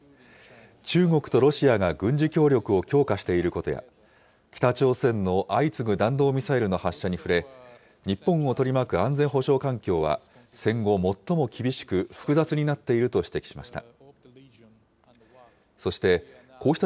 中国とロシアが軍事協力を強化していることや、北朝鮮の相次ぐ弾道ミサイルの発射に触れ、日本を取り巻く安全保障環境は、戦後最も厳しく、複雑になっていると指摘しました。